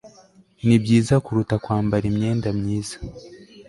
nibyiza kuruta kwambara imyenda myiza